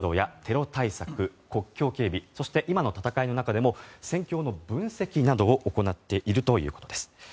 現在は諜報活動やテロ対策、国境警備そして今の戦いの中でも戦況の分析などを行っているということです。